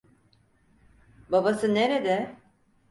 Babası nerede?